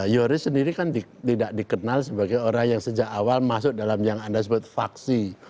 yoris sendiri kan tidak dikenal sebagai orang yang sejak awal masuk dalam yang anda sebut faksi